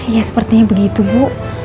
ya sepertinya begitu bu